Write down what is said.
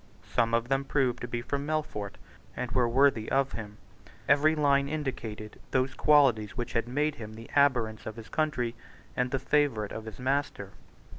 Some of them proved to be from Melfort, and were worthy of him. Every line indicated those qualities which had made him the abhorrence of his country and the favourite of his master.